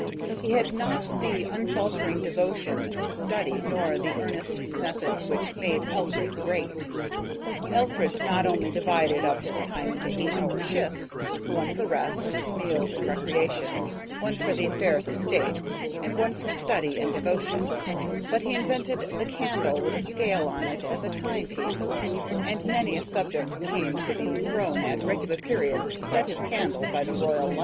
He had not the unfaltering devotion to study nor the earnest methods which made Alfred great. Alfred not only divided up his time into eight hour shifts, one for rest, meals, and recreation, one for the affairs of state, and one for study and devotion, but he invented the candle with a scale on it as a time piece, and many a subject came to the throne at regular periods to set his candle by the royal lights.